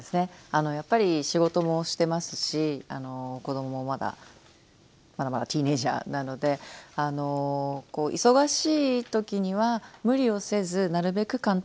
あのやっぱり仕事もしてますし子どももまだまだまだティーンエージャーなので忙しい時には無理をせずなるべく簡単な方法で食事を作る。